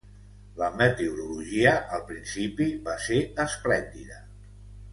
La meteorologia al principi va ser esplèndida.